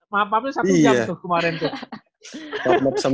maaf maafnya satu jam tuh kemarin tuh